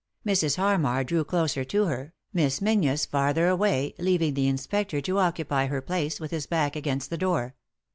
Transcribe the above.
Mrs. Harmar drew closer to her, Miss Menzies farther away, leaving the inspector to occupy her place, with his back against the door.